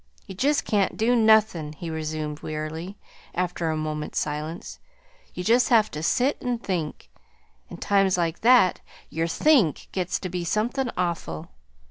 "You just can't do nothin'," he resumed wearily, after a moment's silence. "You just have to sit and think; and times like that your THINK gets to be something awful.